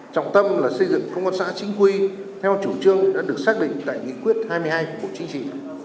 trọng tâm là xây dựng công an xã chính quy theo chủ trương đã được xác định tại nghị quyết hai mươi hai của bộ chính trị